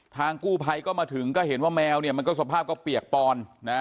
ทางกู้ภัยก็มาถึงก็เห็นว่าแมวเนี่ยมันก็สภาพก็เปียกปอนนะ